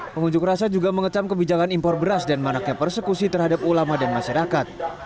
pengunjuk rasa juga mengecam kebijakan impor beras dan manaknya persekusi terhadap ulama dan masyarakat